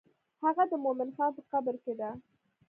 هغه د مومن خان په قبر کې ده.